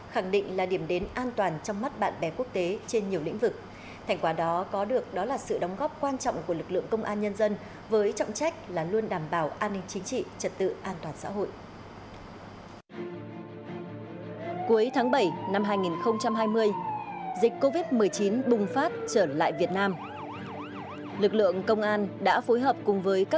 hãy đăng ký kênh để ủng hộ kênh của chúng mình nhé